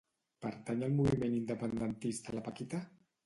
Pertany al moviment independentista la Paquita?